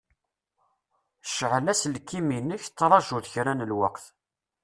Cɛel aselkim-inek, traǧuḍ kra n lweqt!